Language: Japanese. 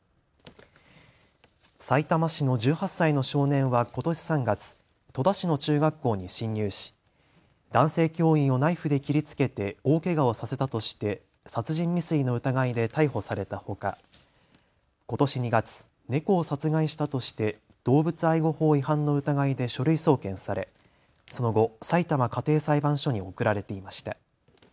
さいたま市の１８歳の少年はことし３月、戸田市の中学校に侵入し男性教員をナイフで切りつけて大けがをさせたとして殺人未遂の疑いで逮捕されたほかことし２月、猫を殺害したとして動物愛護法違反の疑いで書類送検されその後、さいたま家庭裁判所に送られていました。